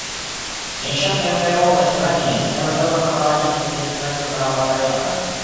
Сейчас я прерву заседание, с тем чтобы сопроводить министра из зала Совета.